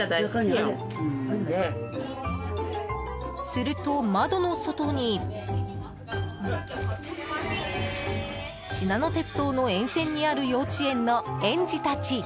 すると窓の外にしなの鉄道の沿線にある幼稚園の園児たち。